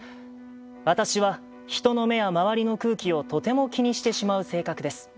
「私は人の目や周りの空気をとても気にしてしまう性格です。